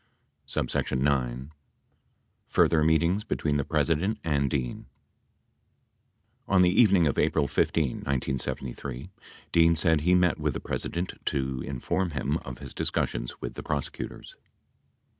90 ' 91 9. FURTHER MEETINGS BETWEEN THE PRESIDENT AND DEAN On the evening of April 15, 1973, Dean said he met with the Presi dent to inform him of his discussions with the prosecutors.